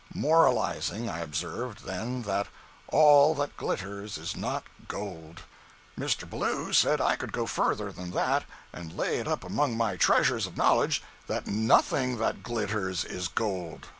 Moralizing, I observed, then, that "all that glitters is not gold." Mr. Ballou said I could go further than that, and lay it up among my treasures of knowledge, that nothing that glitters is gold.